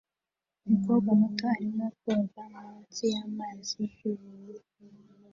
Umukobwa muto arimo koga munsi y'amazi yubururu